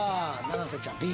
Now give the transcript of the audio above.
七瀬ちゃんＢ